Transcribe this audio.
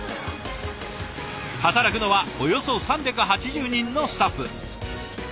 働くのはおよそ３８０人のスタッフ。